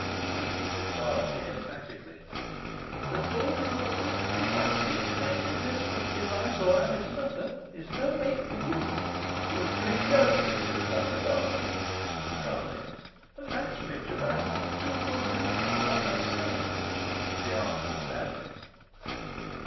repeated Dorothy, emphatically. "The daughter of a witch, be that witch named Elizabeth Device or Alice Nutter, is no mate for you." "You prejudge Mistress Nutter, Dorothy," he cried. "Alas! Richard. I have too good reason for what I say," she answered, sadly.